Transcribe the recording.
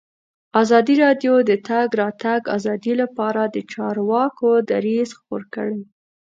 ازادي راډیو د د تګ راتګ ازادي لپاره د چارواکو دریځ خپور کړی.